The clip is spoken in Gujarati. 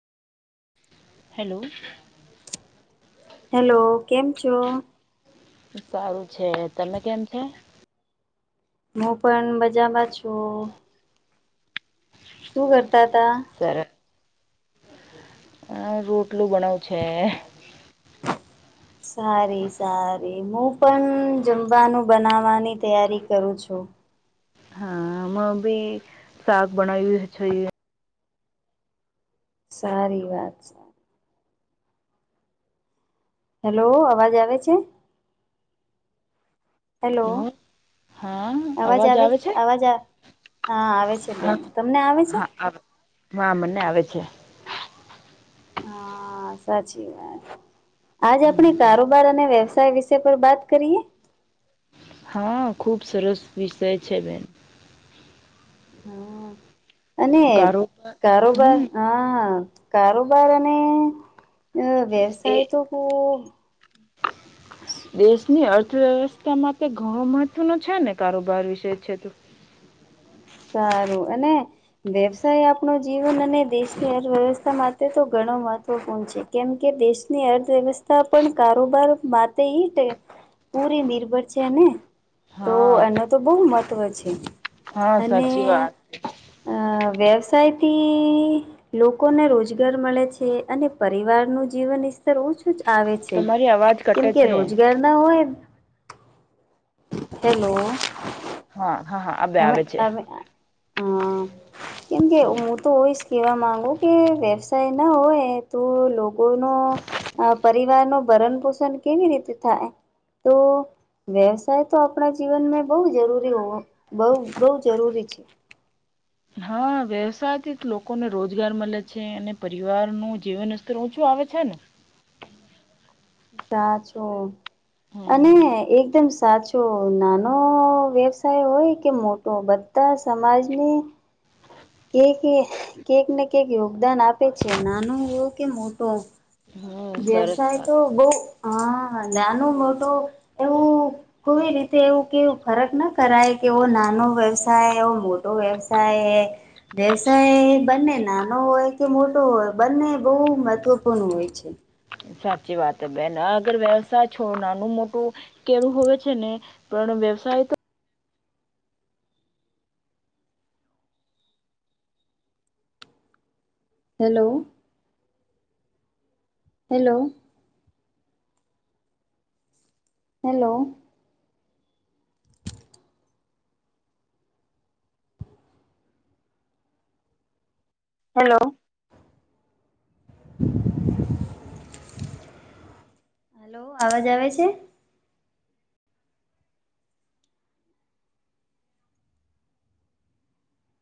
હલો હેલો કેમ છો. સારું છે તમે કેમ છે. હું પણ બજામાં છુ. શું કરતા તા? સર આ રોટલું બનાવું છે. સારી-સારી. હું પણ જમવાનું બનાવવાની તૈયારી કરું છું. હા મ બી શાક બનાયું હે છૈએ. સારી વાત સે. હેલો, અવાજ આવે છે? હેલો? અવાજ આવે છ, અવાજ આ હા, આવે છે હા બેન. તમને આવે છે? હા આવે હા, મને આવે છે. હા, સાચી વાત. આજ આપણે કારોબાર અને વ્યવસાય વિશે પર બાત કરીએ? હા, ખૂબ સરસ વિષય છે બેન. હા, અને કારોબાર કારોબાર હમ હા, કારોબાર અને અહ એ વ્યવસાય તો ખૂબ [inaudible] દેશની અર્થવ્યવસ્થા માટે ઘણો મહત્વનો છે ને, કારોબાર વિશે છે તો. સારું, અને વ્યવસાય આપણો જીવન અને દેશની અર્થવ્યવસ્થા માટે તો ઘણો મહત્વપૂર્ણ છે. કેમ કે દેશની અર્થવ્યવસ્થા પણ કારોબાર માટે ઈટે પૂરી નિર્ભર છે ને. તો હા. એનો તો બહુ મહત્ત્વ છે. હા અને સાચી વાત અહ વ્યવસાયથી લોકોને રોજગાર મલે છે, અને પરિવાર નું જીવન ઈસ્તર ઊંચ ચું આવે છે, તમારી અવાજ કેમ કટે કે છે. રોજગાર ના હોય હેલો. હા, હા, હા, આવ [unintelligible] આવે હા. કેમકે હું તો હોયસ કહેવા માંગુ કે વ્યવસાય ના હોય તો લોક કો નો પરિવાર નો ભરણ પોષણ કેવી રીતે થાય? તો વ્યવસાય તો આપણા જીવન મે બહુ જરૂરી હો બહુ-બહુ જરૂરી છે. હા, વ્યવસાય થી જ લોકોને રોજગાર મલે છે, અને પરિવાર નું જીવન ઈસ્તર ઊંચું આવે છે ને. સાચું, અને હમ એકદમ સાચ ચો, નાનો વ્યવસાય હોય કે મોટો બધા સમાજને કે-કે કેક ને કેક યોગદાન આપે છે, નાનો હો કે મોટો. હમ સરસ વ્યવસાય વાત તો બહું, હા નાનો મોટો એવું કોઈ રીતે એવું કેવું ફરક ના કરાય કે એવો નાનો વ્યવસાય, એવો મોટો વ્યવસાય હે. વ્યવસાય બંને નાનો હોય કે મોટો હોય, બંને બહુ મહત્વપૂર્ણ હોય છે. સાચી વાત હે બેન. અગર વ્યવસાય છો નાનું મોટું કેરું હોવે છે ને, પણ વ્યવસાય તો hello. Hello. Hello. Hello. Hello, અવાજ આવે છે?